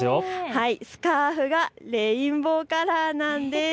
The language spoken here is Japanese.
スカーフがレインボーカラーなんです。